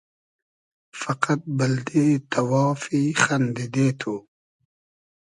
فئقئد بئلدې تئوافی خئندیدې تو